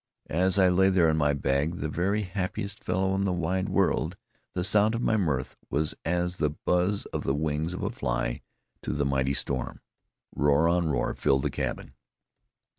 As I lay there in my bag, the very happiest fellow in the wide world, the sound of my mirth was as the buzz of the wings of a fly to the mighty storm. Roar on roar filled the cabin.